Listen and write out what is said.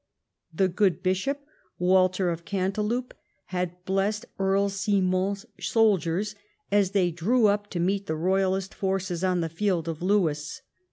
The good bishop, AYalter of Cantilupe, had blessed Earl Simon's soldiers as they drew up to meet the royalist forces on the field of Lowes.